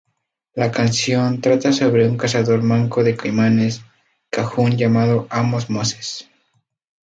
La canción trata sobre un cazador manco de caimanes cajún llamado Amos Moses.